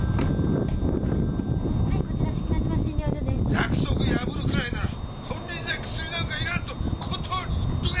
☎約束破るくらいなら金輪際薬なんかいらんとコトーに言っとけ！